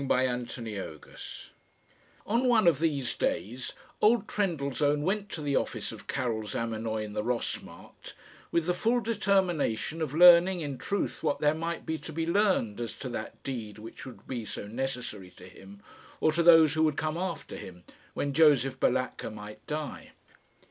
CHAPTER XI On one of these days old Trendellsohn went to the office of Karil Zamenoy, in the Ross Markt, with the full determination of learning in truth what there might be to be learned as to that deed which would be so necessary to him, or to those who would come after him, when Josef Balatka might die.